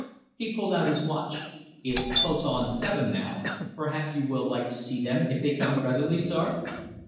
He pulled out his watch. "It's close on seven now. Perhaps you will like to see them if they come presently, sir."